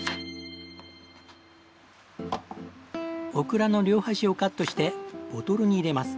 オクラの両端をカットしてボトルに入れます。